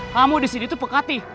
kamu di sini tuh pekati